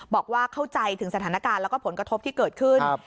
บอกว่าเข้าใจถึงสถานการณ์แล้วก็ผลกระทบที่เกิดขึ้น